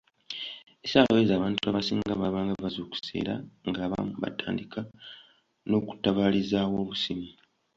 Essaawa ezo abantu abasinga baabanga bazuukuse era ng'abamu batandika n'okutabaalizaawo obusimu.